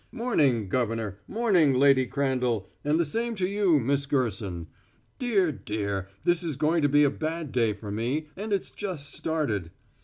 "Morning, Governor morning, Lady Crandall, and same to you, Miss Gerson. Dear, dear; this is going to be a bad day for me, and it's just started."